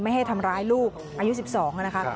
ให้ทำร้ายลูกอายุ๑๒นะคะ